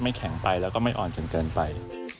แข็งไปแล้วก็ไม่อ่อนจนเกินไป